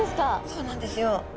そうなんですよ。